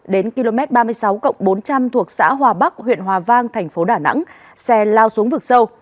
đến km ba mươi sáu bốn trăm linh thuộc xã hòa bắc huyện hòa vang thành phố đà nẵng xe lao xuống vực sâu